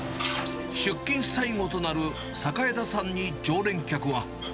出勤最後となる榮田さんに常連客は。